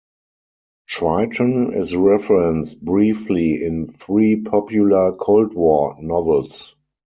"Triton" is referenced briefly in three popular Cold War novels.